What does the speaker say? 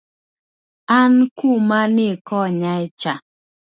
An kuma ni konyae cha